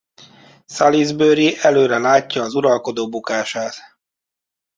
Salisbury előre látja az uralkodó bukását.